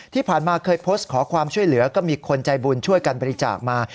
ที่ผ่านมาเคยโพสต์ขอความช่วยเหลือก็มีคนใจบุญช่วยกันบริจาคมา